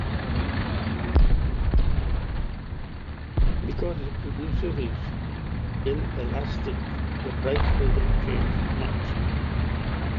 Because the producer is inelastic, the price doesn't change much.